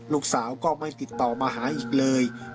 ลูกสาวก็ไม่ติดต่อมาหาอีกเลย